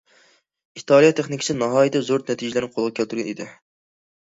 ئىتالىيە تېخنىكىسى ناھايىتى زور نەتىجىلەرنى قولغا كەلتۈرگەن ئىدى.